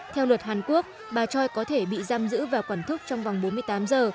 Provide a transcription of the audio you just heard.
theo luật hàn quốc bà choi có thể bị giam giữ và quản thúc trong vòng bốn mươi tám giờ